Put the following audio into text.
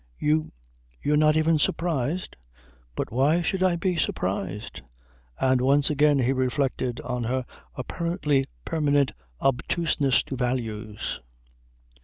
"You you're not even surprised?" "But why should I be surprised?" And once again he reflected on her apparently permanent obtuseness to values.